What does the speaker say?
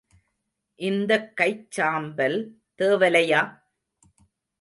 இந்தக் கைச் சாம்பல் தேவலையா?